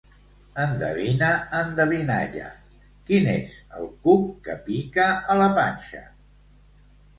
Endevina endevinalla: quin és el cuc que pica a la panxa?